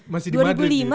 masih di madrid